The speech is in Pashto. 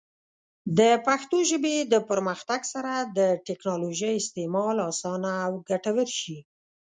د پښتو ژبې د پرمختګ سره، د ټیکنالوجۍ استعمال اسانه او ګټور شي.